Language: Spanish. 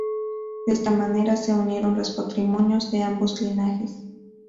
De esta manera se unieron los patrimonios de ambos linajes.